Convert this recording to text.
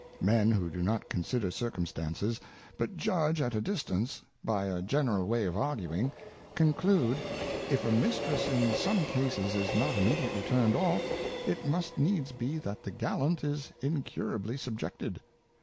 Men who do not consider Circumstances, but judge at a distance, by a general way of arguing, conclude if a Mistress in some Cases is not immediately turned off, it must needs be that the Gallant is incurably subjected.